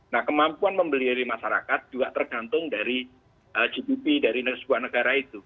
nah kemampuan membeli dari masyarakat juga tergantung dari gdp dari sebuah negara itu